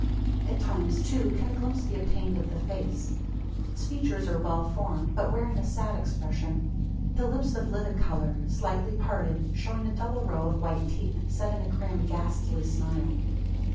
At times too can a glimpse be obtained of the face. Its features are well formed, but wearing a sad expression; the lips of livid colour, slightly parted, showing a double row of white teeth, set in a grim ghastly smile.